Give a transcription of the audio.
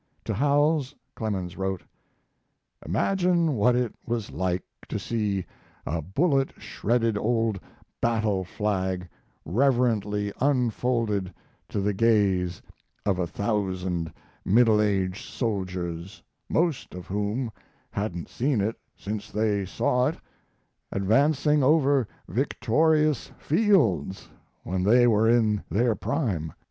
To Howells Clemens wrote: Imagine what it was like to see a bullet shredded old battle flag reverently unfolded to the gaze of a thousand middle aged soldiers, most of whom hadn't seen it since they saw it advancing over victorious fields when they were in their prime.